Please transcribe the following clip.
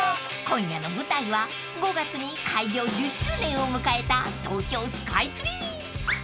［今夜の舞台は５月に開業１０周年を迎えた東京スカイツリー］